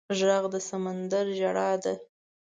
غږ د سمندر ژړا ده